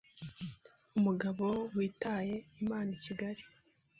umugabo witaye Imana i Kigali